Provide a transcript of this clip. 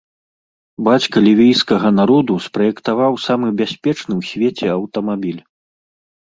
Бацька лівійскага народу спраектаваў самы бяспечны ў свеце аўтамабіль.